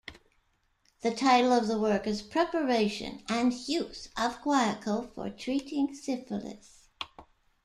The title of the work is Preparation and Use of Guayaco for Treating Syphilis.